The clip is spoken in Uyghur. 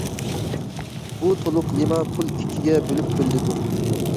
بۇ تولۇقلىما پۇل ئىككىگە بۆلۈپ بېرىلىدۇ.